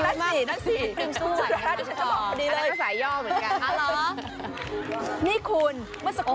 ครับเหรอนั้นเป็นสายย่อเหมือนกัน